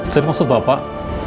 jadi maksud bapak